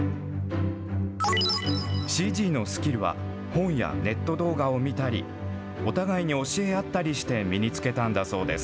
ＣＧのスキルは本やネット動画を見たり、お互いに教え合ったりして、身につけたんだそうです。